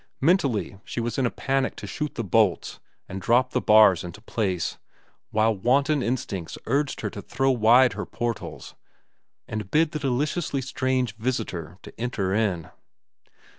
Mentally she was in a panic to shoot the bolts and drop the bars into place, while wanton instincts urged her to throw wide her portals and bid the deliciously strange visitor to enter in.